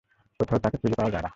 কোথাও তাকে খুঁজে পাওয়া যায় না।